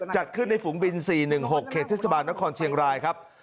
จัดขึ้นในฝูงบิน๔๑๖เขตเทศบาลนครเชียงรายครับ